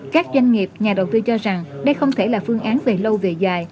các doanh nghiệp nhà đầu tư cho rằng đây không thể là phương án về lâu về dài